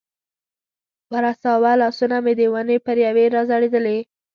ورساوه، لاسونه مې د ونې پر یوې را ځړېدلې.